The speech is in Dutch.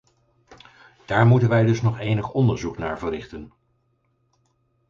Daar moeten wij dus nog enig onderzoek naar verrichten.